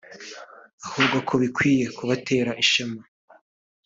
ahubwo ko bikwiye kubatera ishema